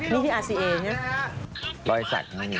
คือรอยสักอย่างงี้